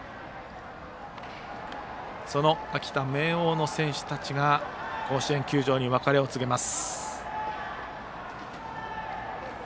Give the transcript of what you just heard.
その秋田・明桜の選手たちが甲子園球場に別れを告げます。